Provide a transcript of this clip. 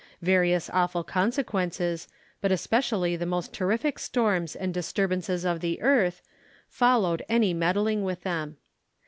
Various awful consequences, but especially the most terrific storms and disturbances of the earth, followed any meddling with them.